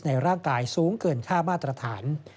ในร่างกายสูงเกินค่ามาตรฐาน